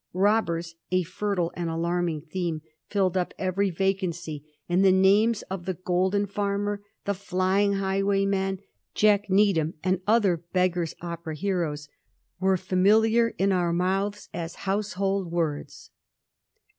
^ Robbers, a fertile and alarmmg theme, filled up every vacancy, and the names of the Golden Farmer, the Flying Highwayman, Jack Needham, and other Beggar's Opera heroes, were familiar in our mouths as household words.'